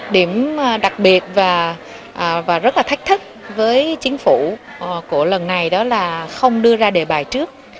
điểm đặc biệt và rất là thách thức với chính phủ của lần này đó là không đưa ra đề bài trước